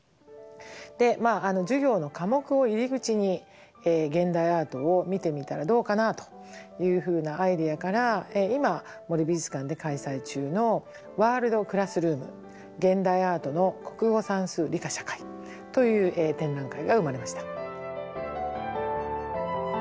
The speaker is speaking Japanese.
まあ授業の科目を入り口に現代アートを見てみたらどうかなというふうなアイデアから今森美術館で開催中の「ワールド・クラスルーム：現代アートの国語・算数・理科・社会」という展覧会が生まれました。